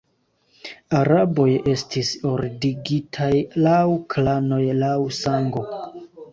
Araboj estis ordigitaj laŭ klanoj, laŭ sango.